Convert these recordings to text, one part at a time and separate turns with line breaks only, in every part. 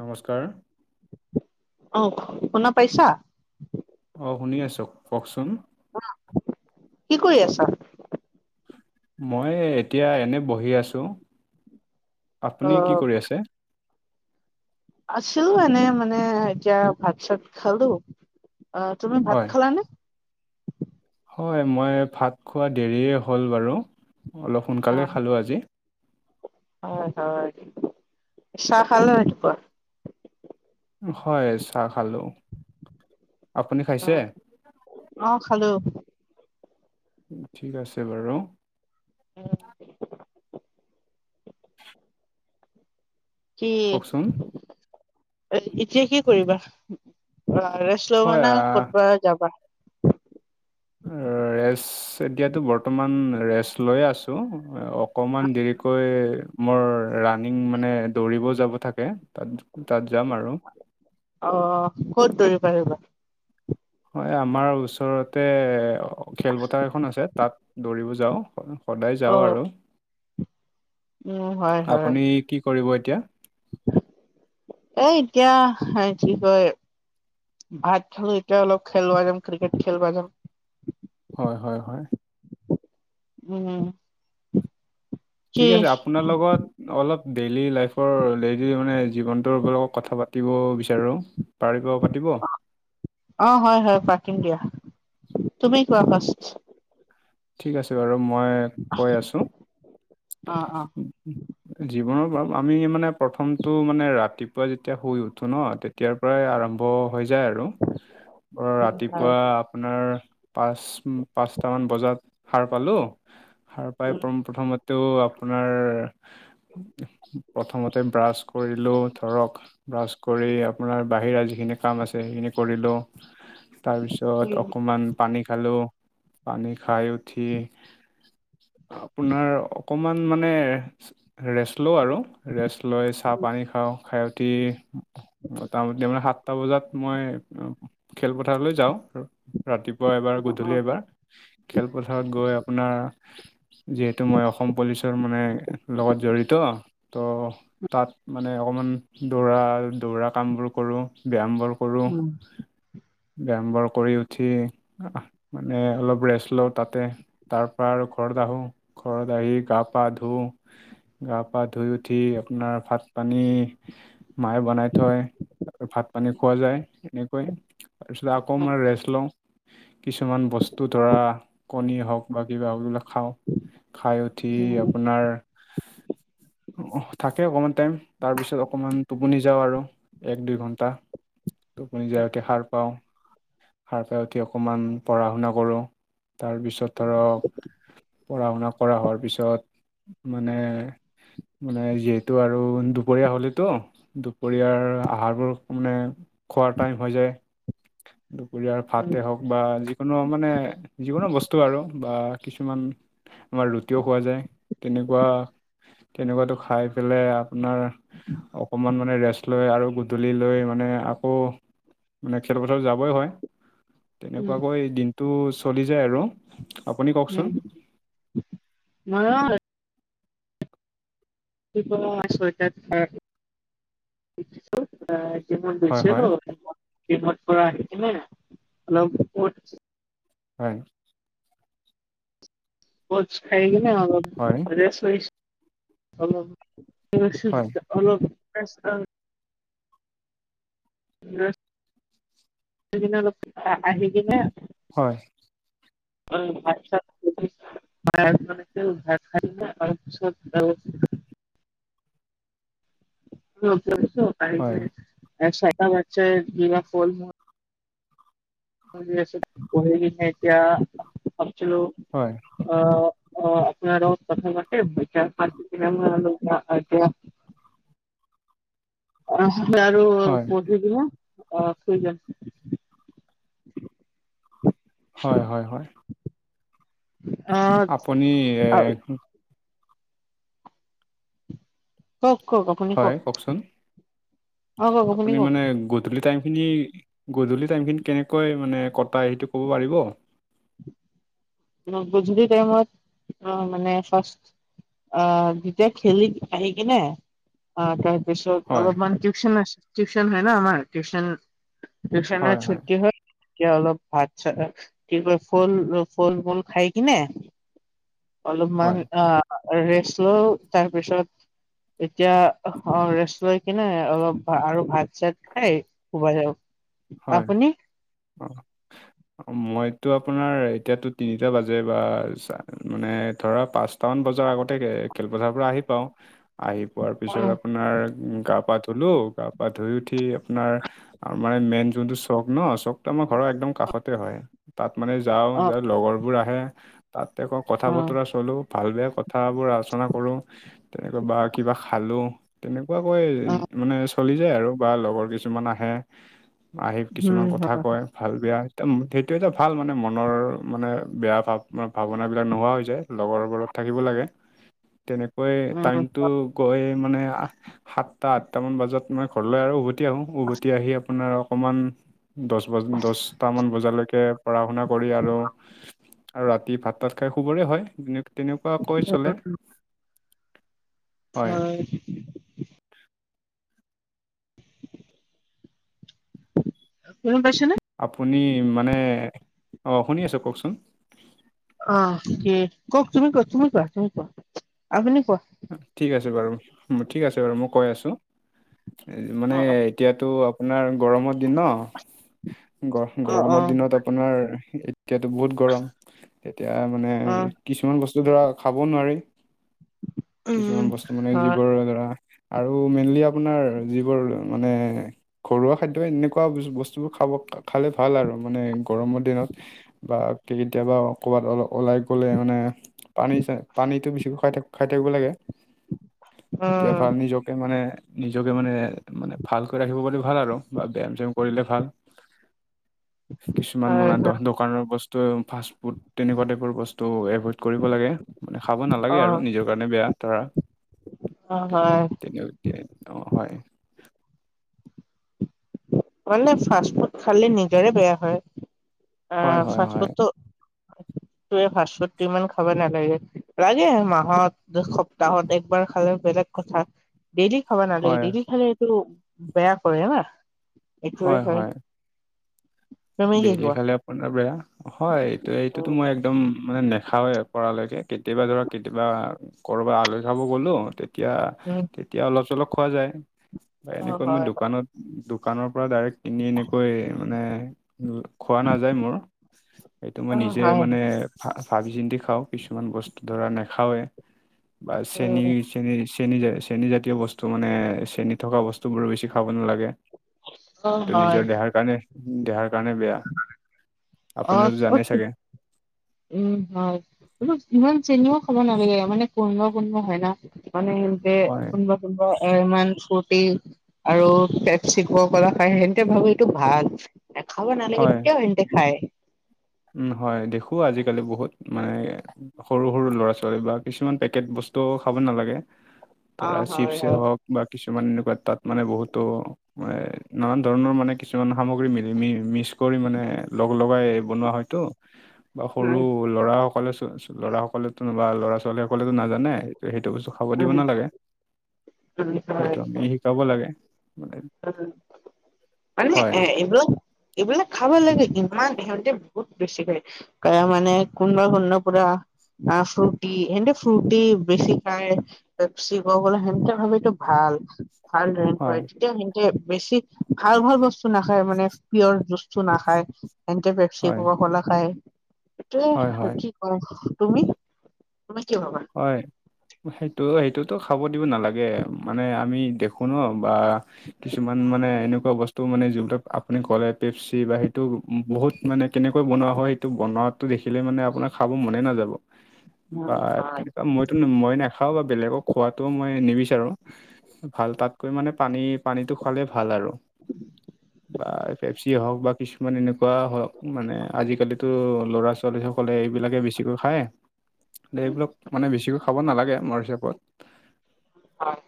নমস্কাৰ
অ' শুনা পাইছা?
অ' শুনি আছোঁ কওকচোন।
কি কৰি আছা?
মই এতিয়া এনে বহি আছো,
অ
আপুনি কি কৰি আছে?
আছিলোঁ এনে মানে এতিয়া ভাত চাত খালো, অ' তুমি ভাত
হয়
খালানে?
হয় মই ভাত খোৱা দেৰিয়ে হ'ল বাৰু অলপ
অ
সোনকালে খালোঁ আজি।
হয় হয় চাহ খালে ৰাতিপুৱা?
হয় চাহ খালো আপুনি
অ
খাইছে?
অ' খালোঁ।
ঠিক আছে বাৰু।
উম। কি
কওকচোন
এতিয়া কি কি কৰিবা ৰেষ্ট লবা
হয়
নে কৰবাত যাবা?
[unintelligible] ৰেষ্ট এতিয়াতো বৰ্তমান ৰেষ্ট লৈয়ে আছোঁ অকমান দেৰিকৈ মোৰ ৰানিং মানে দৌৰিবও যাব থাকে তাত তাত যাম আৰু।
অ' কত দৰিব আহিবা?
মই আমাৰ ওচৰতে খেলপথাৰ এখন আছে তাত দৌৰিব যাওঁ। সদায়
অ
যাওঁ আৰু,
উম
আপুনি কি কৰিব এতিয়া?
অহ এইতিয়া হে কি কৈ ভাত খালো এতিয়া অলপ খেলব যাম ক্ৰিকেট খেলিব যাম।
হয় হয় হয়।
উম। কি
ঠিক আছে আপোনাৰ লগত অলপ ডেইলি লাইফৰ ডেইলি [unintelligible] মানে জীৱনটোৰ লগত কথা পাতিব বিচাৰোঁ। পাৰিব পাতিব?
অ' হয় হয় পাতিম দিয়া, তুমি কোৱা ফাৰ্ষ্ট।
ঠিক আছে বাৰু মই কৈ আছোঁ।
অ অ
জীৱনৰ প আমি মানে প্ৰথমতটো মানে ৰাতিপুৱা যেতিয়া শুই উঠো ন' ত তেতিয়াৰ পৰাই আৰম্ভ হৈ যায় আৰু।
[inaudible]
অ'
জিমত
ৰাতিপুৱা আপোনাৰ পাঁচ পাঁচটামান বজাত সাৰ পালোঁ সাৰ পাই পোন প্ৰথমতে তো আপোনাৰ প্ৰথমতে ব্ৰাছ কৰিলোঁ ধৰক। ব্ৰাছ কৰি আপোনাৰ বাহিৰা যিখিনি কাম আছে সেইখিনি কৰিলোঁ। তাৰপিছত অকণমান পানী খালোঁ, পানী খাই উঠি আপোনাৰ অকমান মানে ৰেষ্ট লওঁ আৰু ৰেষ্ট লৈ চাহপানী খাওঁ, খাই উঠি মোটামুটি মানে সাতটা বজাত মই খেলপথাৰলৈ যাওঁ আৰু ৰাতি পোৱা এবাৰ গধূলি এবাৰ খেলপথাৰত গৈ আপোনাৰ যিহেতু মই অসম পুলিচৰ মানে লগত জড়িত ত' তাত মানে অকণমান দৌৰা দৌৰা কামবোৰ কৰোঁ ব্যায়ামবোৰ। কৰোঁ
উম।
ব্যায়ামবোৰ কৰি উঠি মানে অলপ ৰেষ্ট লওঁ তাতে। তাৰ পৰা আৰু ঘৰত আহোঁ, ঘৰত আহি গা পা ধুওঁ। গা পা ধুই উঠি আপোনাৰ ভাত পানী মায়ে বনাই থয়, আৰু ভাত পানী খোৱা যায় এনেকৈ। তাৰপাছত আকৌ মই ৰেষ্ট লওঁ। কিছুমান বস্তু ধৰা কণী হওক বা কিবাবিলাক খাওঁ। খাই উঠি আপোনাৰ
[unintelligible]
থাকে অকমান টাইম তাৰ পিছত অকমান টোপনি যাওঁ আৰু। এক দুই ঘণ্টা। টোপুনি যায় পৰা সাৰ পাওঁ, সাৰ পাই উঠি অকমান পঢ়া শুনা কৰোঁ। তাৰপিছত ধৰক পঢ়া শুনা কৰা হোৱাৰ পিছত, মানে মানে যিহেতু আৰু দুপৰীয়া হ'লেতো। দুপৰীয়াৰ আহাৰবোৰ মানে খোৱাৰ টাইম হৈ যায়, দুপৰীয়া তে হওক বা যিকোনো মানে যিকোনো বস্তু আৰু বা কিছুমান আমাৰ ৰুটিও খোৱা যায়, তেনেকুৱা তেনেকুৱাটো খাই পেলাই আপোনাৰ অকণমান মানে ৰেষ্ট লৈ আৰু গধূলি লৈ মানে আকৌ মানে খেলপথাৰ যাবই হয়, তেনেকুৱাকৈ দিনটো চলি যায় আৰু। আপুনি কওকচোন
উম, মইয়ো [inaudible] টো অ জিমত গৈছিলোঁ।
হয়
জিমৰ
হয়
পৰা আহি কিনে, অলপ কৰ্চ
হয়।
বুলটচ খাই কিনে
হয়
অলপ ৰেষ্ট লৈ
হয়
[inaudible] ৰেষ্ট কিনে অলপ আ আহি কিনে
হয়।
[unintelligible] [inaudible]
হয়
[inaudible] [inaudible]
হয়।
[inaudible] অঁ আৰু
হয়
পঢ়ি কিনে অ শুই যাম।
হয় হয় হয়। আপুনি এ
অ কওঁক কওঁক
হয় কওকচোন
অ কওক
আপুনি
কওক
মানে গ ধূলি টাইমখিনি গধূলি টাইমখিনি কেনেকৈ মানে কটায় সেইটো ক'ব পাৰিব।
গধূলি টাইমত অঁ মানে ফাৰ্ষ্ট অঁ যেতিয়া খেলি আহি কিনে অঁ তাৰপিছত
হয়
অলপমান টিউচন আ টিউচন হয় ন, আমাৰ টিউচন টিউচনৰ ছুটি হয় তেতিয়া অলপ ভাত চাত কি কয় ফুল ফল মূল খাই কিনে,
হয়
অলপমান আঁ ৰেষ্ট ল‌ওঁ তাৰপিছত এতিয়া অ ৰেষ্ট লৈ কিনে অলপ আৰু ভাত চাত খাই শুব যাওঁ।
হয় অঁ। মইতো আপোনাৰ এতিয়াতো তিনিটা বাজে বা মানে ধৰা পাঁচ ছটামান বজাৰ আগতে খেলপথাৰ পৰা আহি পাওঁ, আহি পোৱাৰ
অ
পিছত আপোনাৰ উম, গা পা ধুলো গা পা ধুই উঠি আপোনাৰ মানে মেইন যোনটো চখ ন, চখটো আমাৰ ঘৰৰ একদম কাষতে হয়। তাত মানে যাওঁ
অ
যাই লগৰবোৰ আহে তাত আকৌ কথা বতৰা
অ
চলো, ভাল বেয়া ক কথাবোৰ আলোচনা কৰোঁ, তেনেকৈ বা কিবা খালোঁ। তেনেকুৱাকৈ মানে চলি যায় আৰু বা লগৰ কিছুমান আহে। আহি কিছুমান
উম
কথা কয়। ভাল বেয়া এয়া সেইটো এটা ভাল মানে মনৰ মানে বেয়া ভাৱ ভাৱনাবিলাক নোহোৱা হৈ যায়। লগৰবোৰত থাকিব লাগে। তেনেকৈ
উম
টাইমটো গৈ মানে সাতটা আঠটামান বজাত মই ঘৰলৈ আৰু উভতি আহোঁ। উভতি আহি আপোনাৰ অকমান দহ বজ দহটামান বজালৈকে পঢ়া শুনা কৰি আৰু আৰু ৰাতি ভাত তাত খাই শুবৰে হয়। তেনেকুৱা কৈ চলে।
হয়। শুনা পাইছানে?
আপুনি মানে অ' শুনি আছোঁ কওঁকচোন।
অ' কি কওঁক, তুমি কোৱা, তুমি কোৱা, তুমি কোৱা, আপুনি কোৱা।
ঠিক আছে বাৰু, ঠিক আছে বাৰু। মই কৈ আছোঁ মানে
অ
এতিয়াতো আপোনাৰ গৰমৰ দিন ন
অ অ
গৰমৰ দিনত আপোনাৰ এতিয়াতো বহুত গৰম। এতিয়া মানে
অ
কিছুমান বস্তু ধৰা খাব নোৱাৰি। কিছুমান বস্তু মানে
হয়
যিবোৰ ধৰা আৰু মেইনলি আপোনাৰ যিবোৰ মানে ঘৰুৱা খাদ্য এনেকুৱা বস্তুবোৰ খাব খালে ভাল আৰু মানে গৰমৰ দিনত বা কেতিয়াবা ক'বাত ওলাই গ'লে মানে পানী চা পানীতটো বেছিকৈ খাই থা খাই থাকিব লাগে। এতিয়া
উম
ভাল নিজকে মানে নিজকে মানে মানে ভালকৈ ৰাখিব পাৰি ভাল আৰু বা ব্যায়াম চ্যাম কৰিলে ভাল। কিছুমান
হয়
মানে
হয়
দোকানৰ বস্তু ফাষ্ট ফুড তেনেকুৱা টাইপৰ বস্তু এইভয়ৈদ কৰিব লাগে মানে খাব
অ
নালাগে আৰু নিজৰ কাৰণে বেয়া।
অ' হয়।
তেনেকে অ' হয়।
মানে ফাৰ্ষ্ট ফুড খালে নিজৰে বেয়া হয়।
হয়
আহ
হয়
ফাৰ্ষ্ট
হয়
ফুডটো তই ফাৰ্ষ্ট ফুডটো ইমান খাব নালাগে লাগে মাহত সপ্তাহত একবাৰ খালে বেলেগ কথা। ডেইলি খাব নালাগে,
হয়
ডেইলি খালে এইটো বেয়া কৰে না, এইটোৱে হয়। তুমি কি
ডেইলী
কোৱা?
খালি আপোনাৰ বেয়া। হয়, এইটো এইটোতো মই একদম মানে নেখাওৱে পৰালৈকে কেতিয়াবা ধৰা কেতিয়াবা। ক'ৰবাত আলহী খাব গলোঁ। তেতিয়া,
উম
তেতিয়া অলপ চলপ খোৱা যায় বা
অ
এনেকৈ মই
হয়
দোকানত দোকানৰ পৰা ডাইৰেক্ট কিনি এনেকৈ মানে খোৱা নাযায় মোৰ। সেইটো মই
অ
নিজে
হয়
মানে ভা ভাবি চিন্তি খাওঁ। কিছুমান বস্তু ধৰা নাখাওঁৱেই বা চেন
উম
চেনি চেনি চেনী জাতীয় বস্তু মানে চেনী থকা বস্তু বোৰো বেছি খাব নালাগে।
অ
এইটো
হয়
নিজৰ দেহাৰ কাৰণে দেহাৰ কাৰণে বেয়া। আপুনিওতো
অ'
জানেই
অকে
চাগে
উম, হয়। ইমান চেনেও খাব নালাগে মানে কোনবা কোনবা হয় না মানে
হয়
কোনোবা তিব এ ইমান সুটি আৰু পেপ চি খাব পাৰা খাই সেনেতে ভাবোঁ এইটো ভাল। এই খাব নালাগে
হয়
কেতিয়া সিহঁতে এনটে খায়।
উম, হয়, দেখোঁ আজিকালি বহুত মানে। সৰু সৰু ল'ৰা ছোৱালী বিলাক কিছুমান পেকেট বস্তুও খাব নালাগে,
অ
ধৰা
হয়
চিপছে
হয়।
হওক বা কিছুমান এনেকুৱা তাত মানে বহুতো মানে নানান ধৰণৰ মানে কিছুমান সামগ্ৰী মিলি ম মিক্স কৰি মানে লগ লগাই বনোৱা হয়। ত বা সৰু
উম,
ল'ৰা সকলে ল'ৰা সকলেো বা ল'ৰা ছোৱালী সকলেতো নাজানে এইটো সেইটো বস্তু খাব দিব
উম,
নালাগে
উম, হয়,
সেইটো আমি শিকাব লাগে মানে
উম মানে
হয়
এইবোৰ এইবিলাক খাব লাগে ইমান সিহঁতে বহুত বেছি খাই। কাই মানে কোনবা শুন ন পুৰা আ ফ্ৰুটি হেন্টে ফ্ৰুটি বেছি পাই। পেপছি কৰ্বলে হেন্তে খালিটো ভাল, ভাল
হয়
ৰেংকৰে তেঁও হেন্তে বেছি ভাল ভাল বস্তু নাখায় মানে পিয়ৰ জুছটো নাখায়, সহতে শিৱ
হয়
[inaudible] খায়, এইটোৱে কি হয়, তুমি তুমি কি ভবা?
হয়, সেইটো সেইটোতো খাব দিব নালাগে মানে আমি দেখো শুন বা কিছুমান মানে এনেকুৱা ব তো মানে যিবিলাক আপুনি ক'লে পেপচি বা সেইটো বহুত মানে কেনেকৈ বনোৱা হয় সেইটো বনোৱাত টো দেখিলে মানে আপোনাৰ খাব মনে নাযাব।
[unintelligible]
বা
হয়
তেনেকুৱা মইতো মই নাখাও বা বেলেগক খোৱাতটো মই নিবিচাৰো। ভাল তাতকৈ মানে পানী পানীটো খালে ভাল আৰু।
[unintelligible]
বা পেপছি হওক বা কিছুমান এনেকুৱা হওক মানে আজিকালিতো ল'ৰা ছোৱালীসকলে এইবিলাকে বেছিকৈ খায়, এইবিলাক মানে বেছিকৈ খাব নালাগে আমাৰ হিচাপত।
হয়।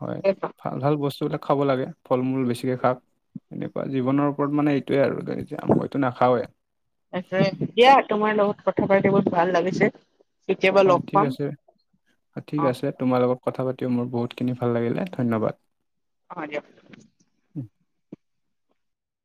হয়,
সেইটো
ভাল ভাল বস্তুবিলাক খাব লাগে ফল মূল বেছিকে শাক। এনেকুৱা জীৱনৰ ওপৰত মানে এইটোৱেই আৰু মইতো নাখাৱে।
তাৰপিছত দিয়া তোমাৰ লগত কথা পাতি বহুত ভাল লাগিছে। কেতিয়াবা লগ
হয় ঠিক
পাম
আছে ঠিক
অ',
আছে, তোমাৰ লগত কথা পাতিও মোৰ বহুতখিনি ভাল লাগিলে ধন্যবাদ।
অ দিয়ক।